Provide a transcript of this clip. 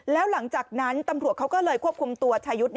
แล้วหลังจากนั้นตำรวจเขาก็เลยควบคุมตัวชายุทธ์